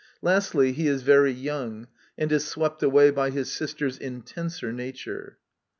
Lastly, he is very young, and is swept away by his sister's intenser nature.